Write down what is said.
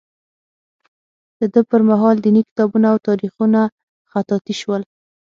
د ده پر مهال دیني کتابونه او تاریخونه خطاطي شول.